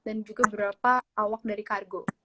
dan juga beberapa awak pesawat yang dianggap pesawat